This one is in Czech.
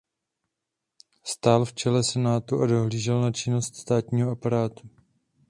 Stál v čele senátu a dohlížel na činnost státního aparátu.